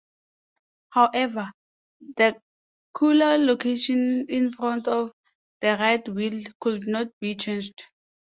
However, the cooler location in front of the right wheel could not be changed.